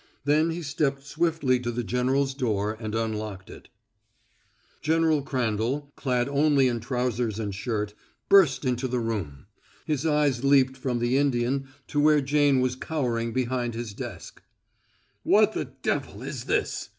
Then he stepped swiftly to the general's door and unlocked it. General Crandall, clad only in trousers and shirt, burst into the room. His eyes leaped from the Indian to where Jane was cowering behind his desk. "What the devil is this?"